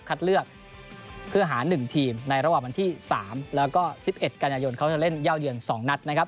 เลือกเพื่อหา๑ทีมในระหว่างวันที่๓แล้วก็๑๑กันยายนเขาจะเล่นเย่าเยือน๒นัดนะครับ